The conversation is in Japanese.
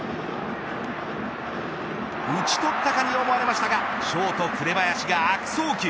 打ち取ったかに思われましたがショート紅林が悪送球。